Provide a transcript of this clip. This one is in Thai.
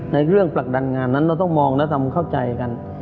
ในเรื่องผลักดันงานนั้นเราต้องมองและทำเข้าใจกัน